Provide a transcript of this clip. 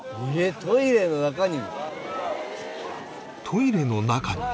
トイレの中に？」